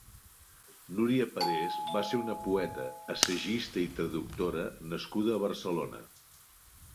Nuria Parés va ser una poeta, assagista i traductora nascuda a Barcelona.